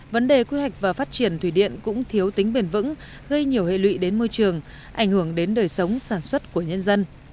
vấn đề quy hoạch và phát triển thủy điện cũng thiếu tính bền vững gây nhiều hệ lụy đến môi trường ảnh hưởng đến đời sống sản xuất của nhân dân